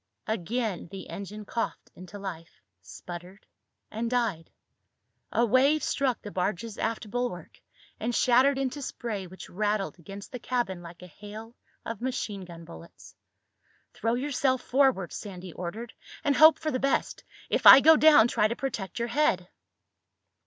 Again the engine coughed into life, sputtered, and died. A wave struck the barge's aft bulwark, and shattered into spray which rattled against the cabin like a hail of machine gun bullets. "Throw yourself forward," Sandy ordered, "and hope for the best. If I go down try to protect your head."